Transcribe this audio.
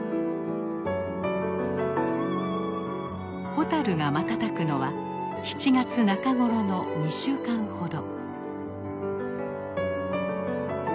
ホタルが瞬くのは７月中頃の２週間ほど。